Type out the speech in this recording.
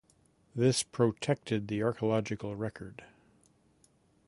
This protected the archaeological record.